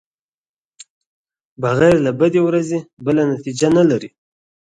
بغیر له بدې ورځې بله نتېجه نلري.